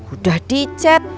udah di chat